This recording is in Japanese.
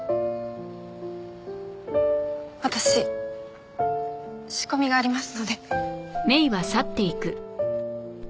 私仕込みがありますので。